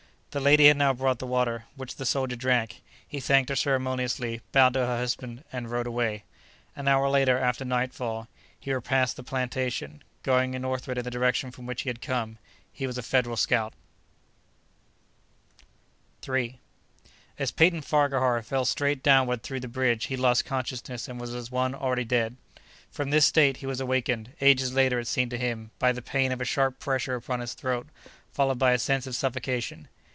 The lady had now brought the water, which the soldier drank. He thanked her ceremoniously, bowed to her husband and rode away. An hour later, after nightfall, he repassed the plantation, going northward in the direction from which he had come. He was a Federal scout. III As Peyton Farquhar fell straight downward through the bridge he lost consciousness and was as one already dead. From this state he was awakened—ages later, it seemed to him—by the pain of a sharp pressure upon his throat, followed by a sense of suffocation.